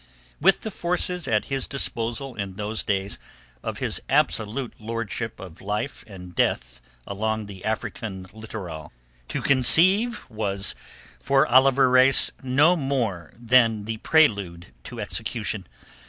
With the forces at his disposal in those days of his absolute lordship of life and death along the African littoral, to conceive was with Oliver Reis no more than the prelude to execution.